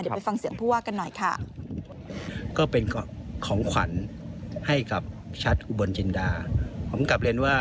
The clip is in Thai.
เดี๋ยวไปฟังเสียงผู้ว่ากันหน่อยค่ะ